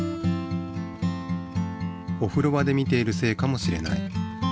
おふろ場で見ているせいかもしれない。